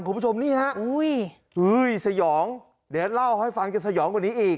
คุณผู้ชมนี่ฮะอุ้ยสยองเดี๋ยวเล่าให้ฟังจะสยองกว่านี้อีก